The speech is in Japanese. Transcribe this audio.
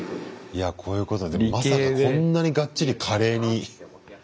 いやこういうことまさかこんなにがっちりカレーに。